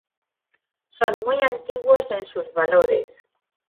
Son muy antiuguos en sus valores